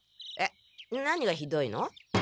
えっ何がひどいの？